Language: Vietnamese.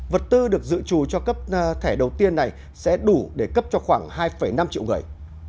vật tư được dự trù cho cấp thẻ đầu tiên này sẽ đủ để cấp cho khoảng hai năm triệu người